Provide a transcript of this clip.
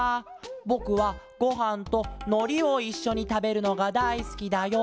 ぼくはごはんとのりをいっしょにたべるのがだいすきだよ」。